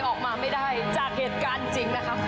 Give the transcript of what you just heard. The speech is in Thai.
ของท่านได้เสด็จเข้ามาอยู่ในความทรงจำของคน๖๗๐ล้านคนค่ะทุกท่าน